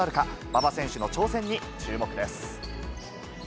馬場選手の挑戦に注目です。